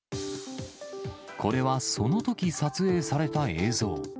これはそのとき撮影された映像。